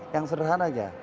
yang sederhana saja